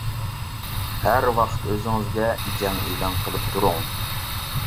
ھەر ۋاقىت ئۆزىڭىزگە جەڭ ئېلان قىلىپ تۇرۇڭ.